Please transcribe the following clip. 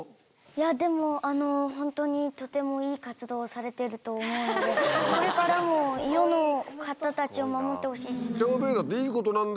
でもホントにとてもいい活動をされてると思うのでこれからも世の方たちを守ってほしい。